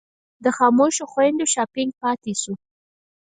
د خاموشو خویندو شاپنګ پاتې شو.